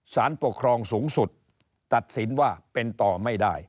สารปกครองสูงสุดตัดสินว่าเป็นต่อไม่ได้